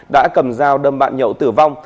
đã cầm dao đâm bạn nhậu tử vong